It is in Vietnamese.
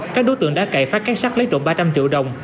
các đối tượng đã cậy phát các sắt lấy trộm ba trăm linh triệu đồng